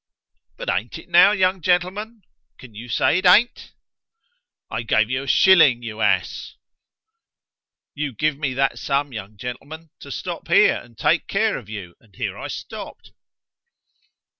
"But ain't it now, young gentleman? Can you say it ain't?" "I gave you a shilling, you ass!" "You give me that sum, young gentleman, to stop here and take care of you, and here I stopped."